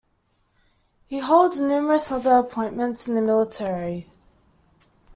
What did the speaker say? He holds numerous other appointments in the military.